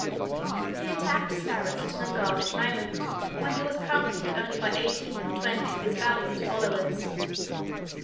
He attacked Sarus at an unguarded moment, when he was accompanied only by eighteen or twenty of his valiant followers.